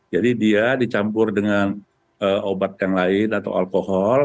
jadi dia dicampur dengan obat yang lain atau alkohol